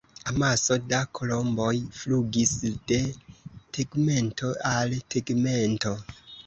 Amaso da kolomboj flugis de tegmento al tegmento.